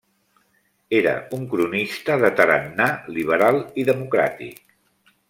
Era un cronista de tarannà liberal i democràtic.